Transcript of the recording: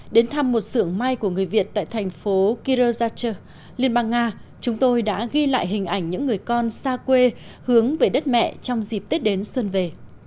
đến thăm một xưởng may của người việt tại thành phố kirzacher liên bang nga chúng tôi đã ghi lại hình ảnh những người con xa quê hướng về đất mẹ trong dịp tết đến xuân về